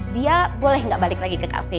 dia boleh nggak balik lagi ke kafe